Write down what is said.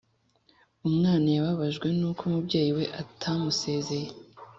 Umwana yababajwe n’uko umubyeyi we atamusezeye